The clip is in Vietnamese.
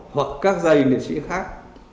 hoặc các dây niệm sĩ khác